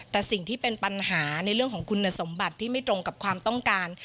แต่สิ่งที่เป็นปัญหาในเรื่องของคุณสมบัติที่ไม่ตรงกับความต้องการ